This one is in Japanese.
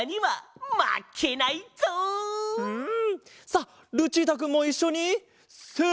さあルチータくんもいっしょにせの。